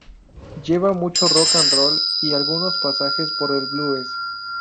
Lleva mucho Rock and Roll y algunos pasajes por el Blues.